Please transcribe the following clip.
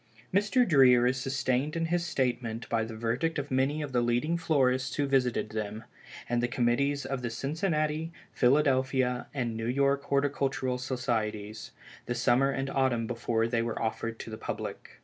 Mr. Dreer is sustained in his statement by the verdict of many of the leading florists who visited them, and the committees of the Cincinnati, Philadelphia and New York Horticultural Societies, the summer and autumn before they were offered to the public.